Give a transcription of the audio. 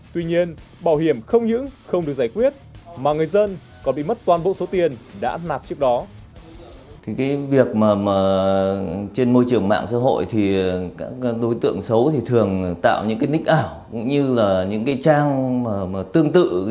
tuy nhiên bảo hiểm không những không được giải quyết mà người dân còn bị mất toàn bộ số tiền đã nạp trước đó